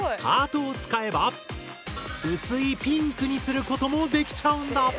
「ハート」を使えば薄いピンクにすることもできちゃうんだ！